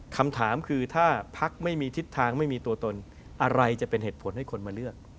คำถามคือถ้าพักไม่มีทิศทางไม่มีตัวตนอะไรจะเป็นเหตุผลให้คนมาเลือก